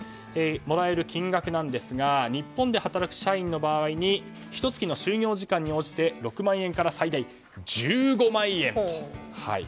もらえる金額ですが日本で働く社員の場合ひと月の就業時間に応じて６万円から最大１５万円と。